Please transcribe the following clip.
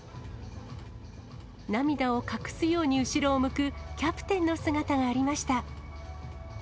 涙を隠すように後ろを向くキャプテンの姿がありました。